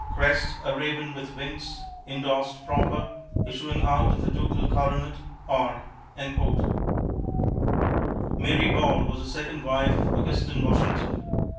Crest, a raven with wings, indorsed proper, issuing out of a ducal coronet, or." Mary Ball was the second wife of Augustine Washington.